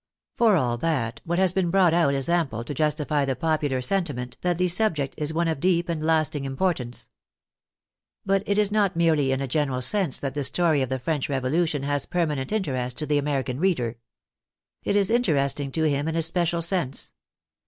For all that, what has been brought out is ample to justify the popular senti ment that the subject is one of deep and lasting import ance. But it is not merely in a general sense that the story of the French Revolution has permanent interest to the American reader. It is interesting to him in a special sense.